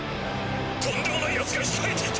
とんでもない奴が控えていた！